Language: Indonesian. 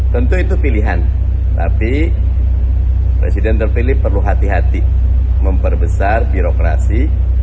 tentu itu pilihan tapi presiden terpilih perlu hati hati memperbesar birokrasi